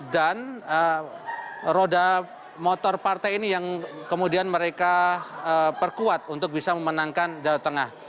roda motor partai ini yang kemudian mereka perkuat untuk bisa memenangkan jawa tengah